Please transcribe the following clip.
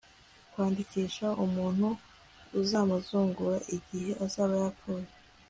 kwandikisha umuntu uzamuzungura igihe azaba yapfuye